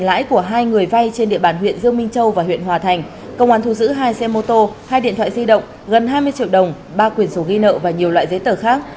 lãi của hai người vay trên địa bàn huyện dương minh châu và huyện hòa thành công an thu giữ hai xe mô tô hai điện thoại di động gần hai mươi triệu đồng ba quyền sổ ghi nợ và nhiều loại giấy tờ khác